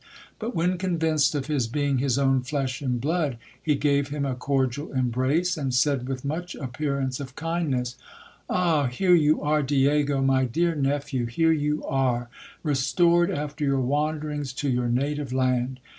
But when convinced of his being his own flesh and blood, he gave him a cordial embrace, and said with much appearance of kindness — Ah ! here you are, Diego, my dear nephew, here you are, restored after your wanderings to your native land.